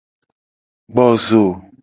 Gbo zo.